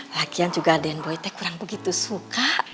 lagian juga dendboy teh kurang begitu suka